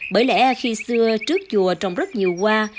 bởi lẽ khi xưa trước chùa trồng rất nhiều hoa